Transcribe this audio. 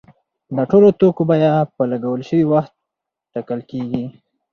د ټولو توکو بیه په لګول شوي وخت ټاکل کیږي.